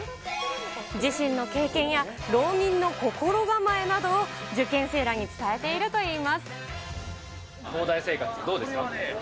自身の経験や浪人の心構えなどを受験生らに伝えているといい東大生活、どうですか？